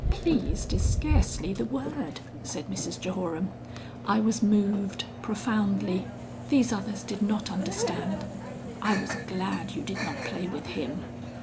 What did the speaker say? "Pleased is scarcely the word," said Mrs Jehoram. "I was moved profoundly. These others did not understand.... I was glad you did not play with him."